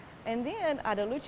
kemudian ada lucu